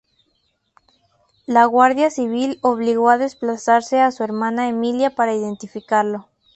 La Guardia Civil obligó a desplazarse a su hermana Emilia para identificarlo.